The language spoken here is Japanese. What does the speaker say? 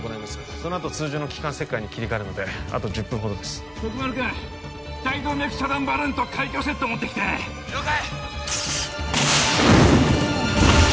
そのあと通常の気管切開に切り替えるのであと１０分ほどです徳丸君大動脈遮断バルーンと開胸セット持ってきて了解！